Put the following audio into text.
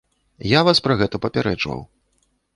Я вас пра гэта папярэджваў.